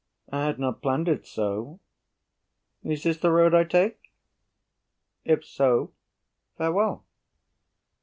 I had not planned it so. Is this the road I take? If so, farewell.